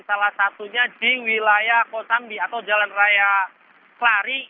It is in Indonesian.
salah satunya di wilayah kosambi atau jalan raya kelari